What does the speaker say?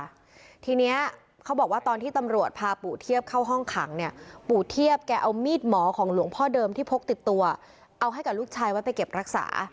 ทีเนี้ยเขาบอกว่าตอนที่ตำรวจพาปู่เทียบเข้าห้องขังเนี่ยปู่เทียบแกเอามีดหมอของหลวงพ่อเดิมที่พกติดตัวเอาให้กับลูกชายไว้ไปเก็บรักษา